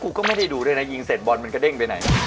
ก็ไม่ได้ดูด้วยนะยิงเสร็จบอลมันกระเด้งไปไหน